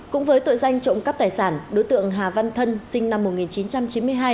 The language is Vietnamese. cũng với tội danh trộm cắp tài sản đối tượng hà văn thân sinh năm một nghìn chín trăm chín mươi hai